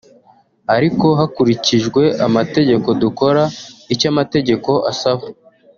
ariko hakurikijwe amategeko dukora icyo amategeko asaba